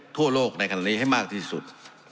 ทั่วโลกในขณะนี้ให้มากที่สุด